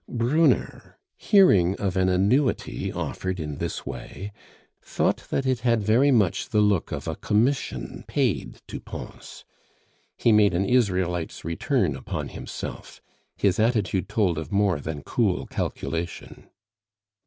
Brunner, hearing of an annuity offered in this way, thought that it had very much the look of a commission paid to Pons; he made an Israelite's return upon himself, his attitude told of more than cool calculation.